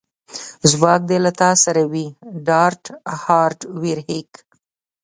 ځواک دې له تا سره وي ډارت هارډویر هیک